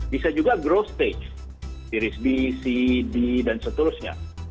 bisa juga growth stage virus b c d dan seterusnya